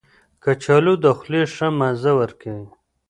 کچالو د خولې ښه مزه ورکوي